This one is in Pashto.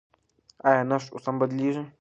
ایا نسج اوس بدلېږي؟